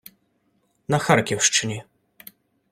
на Харківщині